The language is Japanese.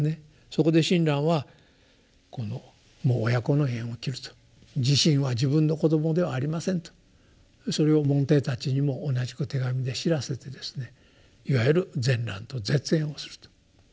そこで親鸞はこのもう親子の縁を切ると慈信は自分の子供ではありませんとそれを門弟たちにも同じく手紙で知らせてですねいわゆる善鸞と絶縁をするということが起こった。